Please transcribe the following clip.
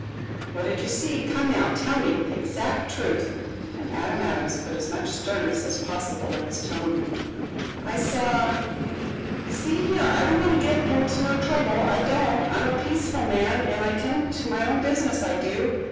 "What did you see? Come now, tell me the exact truth," and Adam Adams put as much of sternness as possible in his tone. "I saw See here, I don't want to get in no trouble, I don't. I'm a peaceful man, an' I tend to my own business, I do.